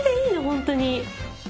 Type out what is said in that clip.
本当に。